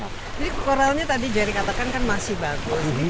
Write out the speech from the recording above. jadi korealnya tadi jadi katakan kan masih bagus